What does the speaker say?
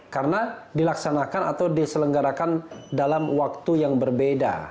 karena dilaksanakan atau diselenggarakan dalam waktu yang berbeda